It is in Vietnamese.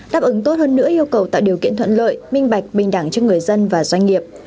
đáp ứng tốt hơn nữa yêu cầu tạo điều kiện thuận lợi minh bạch bình đẳng cho người dân và doanh nghiệp